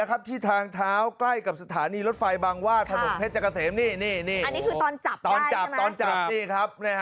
อันนี้คือตอนจับได้